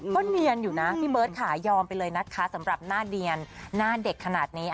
ก็เนียนอยู่นะพี่เบิร์ตค่ะยอมไปเลยนะคะสำหรับหน้าเนียนหน้าเด็กขนาดนี้